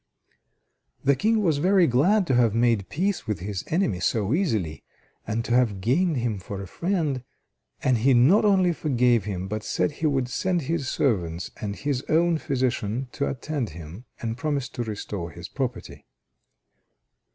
The King was very glad to have made peace with his enemy so easily, and to have gained him for a friend, and he not only forgave him, but said he would send his servants and his own physician to attend him, and promised to restore his property.